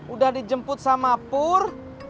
udah dijemput sama pur